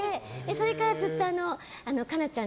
それからずっと、香菜ちゃん